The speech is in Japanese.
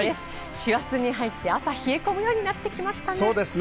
師走に入って朝、冷え込むようになってきましたね。